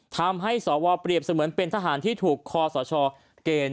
ทำให้สวเปรียบเสมือนเป็นทหารที่ถูกคอสชเกณฑ์